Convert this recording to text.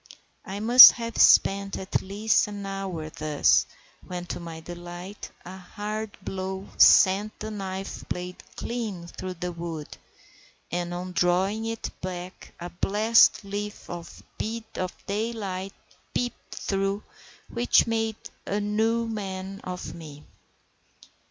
I must have spent at least an hour thus, when, to my delight, a hard blow sent the knife blade clean through the wood, and on drawing it back a blessed little bit of daylight peeped through, which made a new man of me.